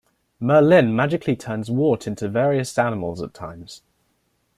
Merlyn magically turns Wart into various animals at times.